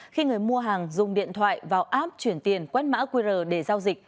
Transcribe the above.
khi người mua hàng dùng điện thoại vào app chuyển tiền quét mã qr để giao dịch